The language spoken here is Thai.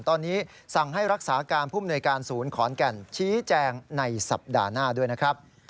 ตอนนี้สั่งให้รักษาการผู้มนวยการศูนย์ขอนแก่นชี้แจงในสัปดาห์หน้าด้วยนะครับ